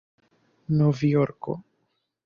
novjorko